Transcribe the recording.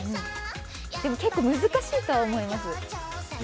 でも、結構難しいとは思います。